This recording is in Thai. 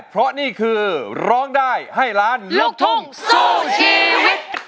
เพราะนี่คือร้องได้ให้ล้านลูกทุ่งสู้ชีวิต